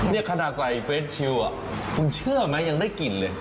นี่ขนาดใส่เฟสชิลคุณเชื่อไหมยังได้กลิ่นเลย